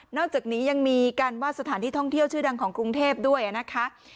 อกจากนี้ยังมีการวาดสถานที่ท่องเที่ยวชื่อดังของกรุงเทพด้วยนะคะ